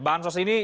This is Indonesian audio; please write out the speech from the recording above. bahan sos ini